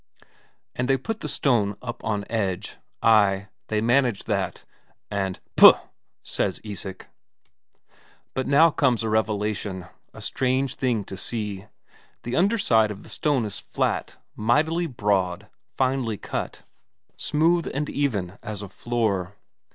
And they get the stone up on edge. Ay, they manage that. And "Puh!" says Isak. But now comes a revelation, a strange thing to see. The underside of the stone is flat, mightily broad, finely cut, smooth and even as a floor.